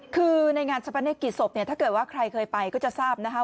คือในงานชะพะเนศกิตศพถ้าเกิดว่าใครเคยไปก็จะทราบนะฮะ